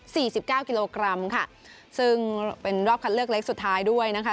สิบเก้ากิโลกรัมค่ะซึ่งเป็นรอบคัดเลือกเล็กสุดท้ายด้วยนะคะ